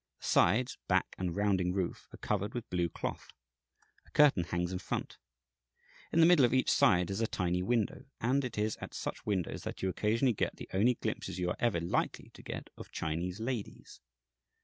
The sides, back, and rounding roof are covered with blue cloth. A curtain hangs in front. In the middle of each side is a tiny window, and it is at such windows that you occasionally get the only glimpses you are ever likely to get of Chinese ladies.